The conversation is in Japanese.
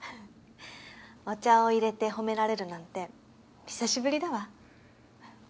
お茶を淹れて褒められるなんて久しぶりだわ。